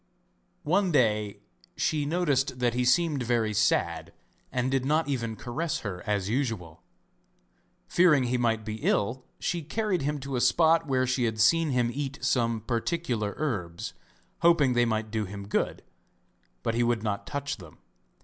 One day she noticed that he seemed very sad and did not even caress her as usual. Fearing he might be ill she carried him to a spot where she had seen him eat some particular herbs, hoping they might do him good, but he would not touch them.